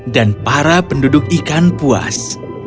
dan para penduduk ikan puas